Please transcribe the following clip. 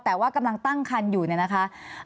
แต่ว่ากำลังตั้งครรภ์อยู่นะคะ